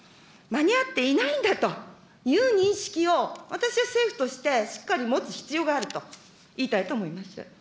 間に合っていないんだという認識を、私は政府としてしっかり持つ必要があると言いたいと思います。